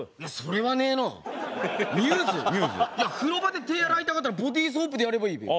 いや風呂場で手洗いたかったらボディーソープでやればいいべ。